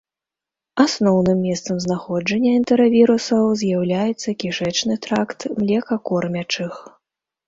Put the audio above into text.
Асноўным месцам знаходжання энтэравірусаў з'яўляецца кішэчны тракт млекакормячых.